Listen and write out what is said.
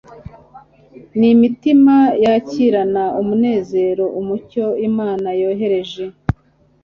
ni imitima yakirana umunezero umucyo Imana yohereje.